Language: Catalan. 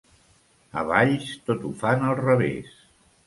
A Valls tot ho fan al revés.